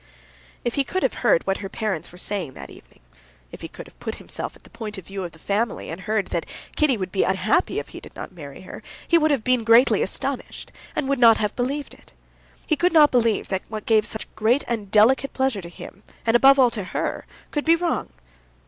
If he could have heard what her parents were saying that evening, if he could have put himself at the point of view of the family and have heard that Kitty would be unhappy if he did not marry her, he would have been greatly astonished, and would not have believed it. He could not believe that what gave such great and delicate pleasure to him, and above all to her, could be wrong.